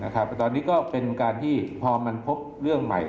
ตอนนี้ก็เป็นการที่พอมันพบเรื่องใหม่